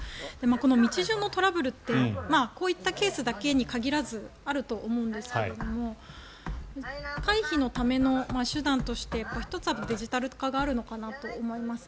この道順のトラブルってこういったケースだけに限らずあると思うんですが回避のための手段として１つはデジタル化があるのかなと思います。